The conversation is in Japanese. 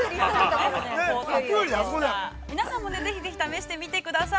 ◆皆さんもぜひぜひ試してみてください。